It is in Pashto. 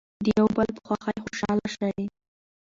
د یو بل په خوښۍ خوشحاله شئ.